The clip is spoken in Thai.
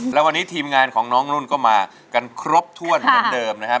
แล้ววันนี้ทีมงานของน้องนุ่นก็มากันครบถ้วนเหมือนเดิมนะครับ